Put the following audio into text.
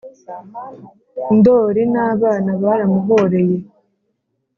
ndoli n’abana baramuhoreye.